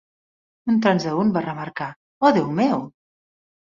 Un transeünt va remarcar: Oh, déu meu!